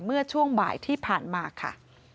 เมื่อช่วงบ่ายที่ผ่านมาค่ะ